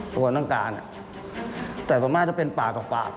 คนต้องการแต่ส่วนมากจะเป็นปากต่อปาก